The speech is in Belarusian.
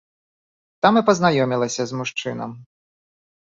Там і пазнаёмілася з мужчынам.